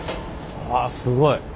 あすごい。